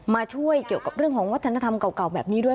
มาช่วยเกี่ยวกับเรื่องของวัฒนธรรมเก่าแบบนี้ด้วย